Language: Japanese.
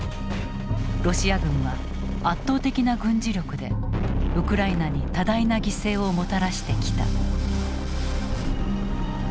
ロシア軍は圧倒的な軍事力でウクライナに多大な犠牲をもたらしてきた。